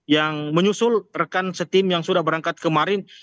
yang menyusul rekan setim yang sudah berangkat kemarin